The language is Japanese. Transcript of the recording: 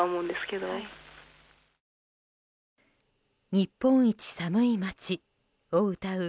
日本一寒い町をうたう